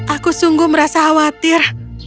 aku sungguh merasa khawatir